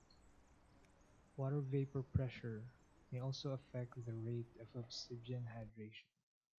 Water vapor pressure may also affect the rate of obsidian hydration.